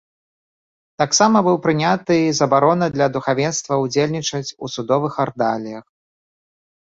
Таксама быў прыняты забарона для духавенства ўдзельнічаць у судовых ардаліях.